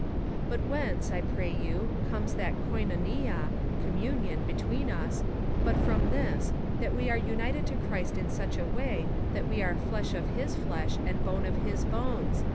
But whence, I pray you, comes that Koivoivia (communion) between us, but from this, that we are imited to Christ in such a way, that we are flesh of his flesh, and bone of his bones